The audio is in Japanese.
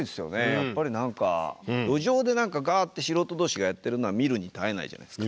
やっぱり路上でガッて素人同士がやってるのは見るに堪えないじゃないですか。